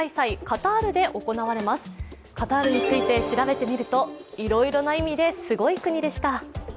カタールについて調べてみるといろいろな意味ですごい国でした。